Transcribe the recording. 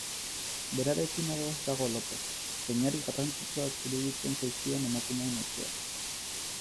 Berarekin ados dago Lopez, zeinari garrantzitsuak iruditzen zaizkion Emakumeen Etxeak.